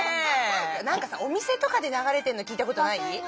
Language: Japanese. なんかさお店とかでながれてるのきいたことない？